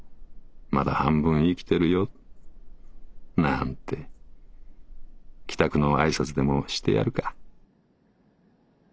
まだ半分生きてるよ？』なんて帰宅の挨拶でもしてやるか」。